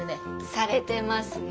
されてますね。